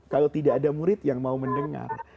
kalau tidak ada murid yang mau mendengar